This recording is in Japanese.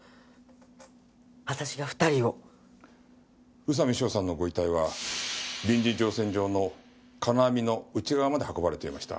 宇佐美翔さんのご遺体は臨時乗船場の金網の内側まで運ばれていました。